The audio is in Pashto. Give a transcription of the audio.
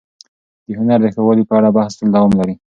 د هنر د ښه والي په اړه بحث تل دوام لري.